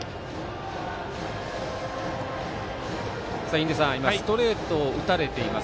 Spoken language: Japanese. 印出さん、今ストレートを打たれています。